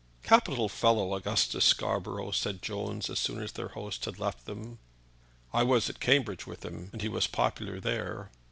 "Capital fellow, Augustus Scarborough," said Jones, as soon as their host had left them. "I was at Cambridge with him, and he was popular there."